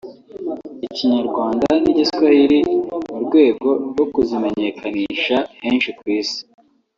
Ikinyarwanda n’Igiswahili mu rwego rwo kuzimenyekanisha henshi ku isi